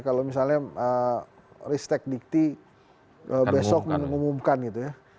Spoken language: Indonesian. kalau misalnya ristek dikti besok mengumumkan gitu ya